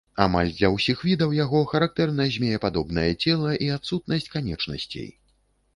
Амаль для ўсіх відаў яго характэрна змеепадобнае цела і адсутнасць канечнасцей.